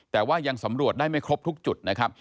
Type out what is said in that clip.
แต่ว่ายังสำรวจได้ไม่ครบทุกจุดนะครับ